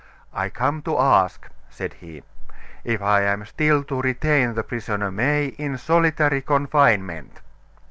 "I come to ask," said he, "if I am still to retain the prisoner May in solitary confinement?"